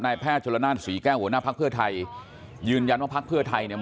นายแพทย์จรณานศรีแก้วหัวหน้าภาคเพื่อไทยยืนยันว่าภาคเพื่อไทยเนี่ย